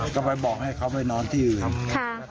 ก็ไปบอกให้เขาไปนอนที่อื่น